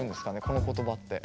この言葉って。